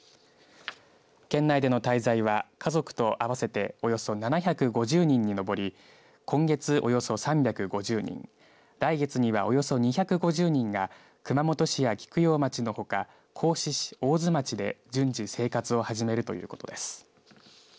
県内での滞在は家族と合わせておよそ７５０人に上り今月およそ３５０人来月には、およそ２５０人が熊本市や菊陽町のほか合志市、大津町で順次、生活を始めるということです。